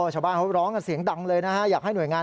ชาวบ้านเขาร้องกับเสียงดังเลยนะฮะ